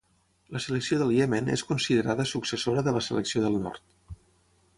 La selecció del Iemen és considerada successora de la selecció del Nord.